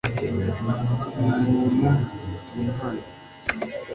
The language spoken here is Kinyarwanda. nubuntu butunganye